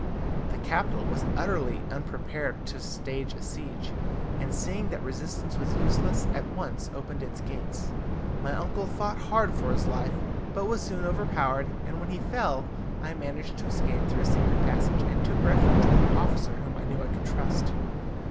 The capital was utterly unprepared to stand a siege, and seeing that resistance was useless, at once opened its gates. My uncle fought hard for his life, but was soon overpowered, and when he fell I managed to escape through a secret passage, and took refuge with an officer whom I knew I could trust.